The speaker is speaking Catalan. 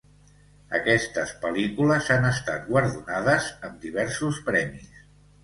Aquestes pel·lícules han estat guardonades amb diversos premis.